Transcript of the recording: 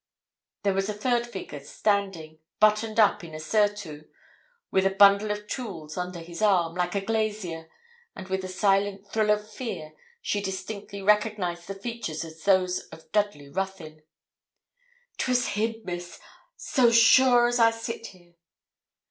There was a third figure standing, buttoned up in a surtout, with a bundle of tools under his arm, like a glazier, and, with a silent thrill of fear, she distinctly recognised the features as those of Dudley Ruthyn. ''Twas him, Miss, so sure as I sit here!